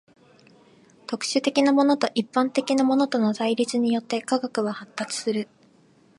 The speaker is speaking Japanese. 特殊的なものと一般的なものとの対立によって科学は発達する。